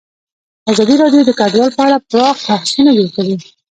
ازادي راډیو د کډوال په اړه پراخ بحثونه جوړ کړي.